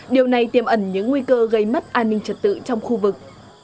điều này tiêm ẩn những nguy cơ gây mất an ninh trật tự trong khu vực